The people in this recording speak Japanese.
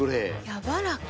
やわらか。